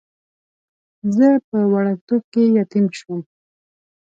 زه په وړکتوب کې یتیم شوم.